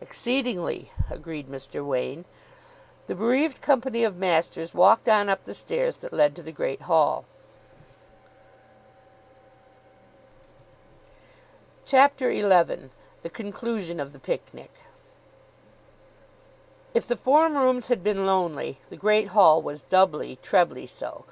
"Exceedingly," agreed Mr. Wain. The bereaved company of masters walked on up the stairs that led to the Great Hall. CHAPTER XI THE CONCLUSION OF THE PICNIC If the form rooms had been lonely, the Great Hall was doubly, trebly, so.